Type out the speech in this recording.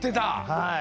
はい。